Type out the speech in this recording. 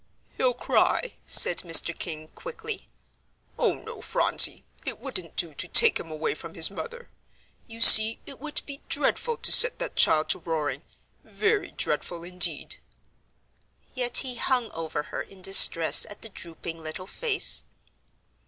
"He'll cry," said Mr. King, quickly. "Oh, no, Phronsie, it wouldn't do to take him away from his mother. You see it would be dreadful to set that child to roaring very dreadful indeed." Yet he hung over her in distress at the drooping little face.